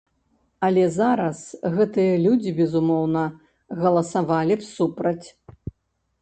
Але зараз гэтыя людзі, безумоўна, галасавалі б супраць.